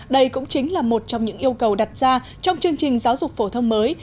đây cũng chính là một trong những yêu cầu đặt ra trong chương trình giáo dục phổ thông mới